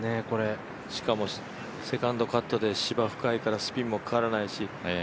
しかもセカンドカットで芝が深いからスピンもかからないし。